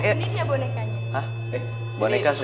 ini dia bonekanya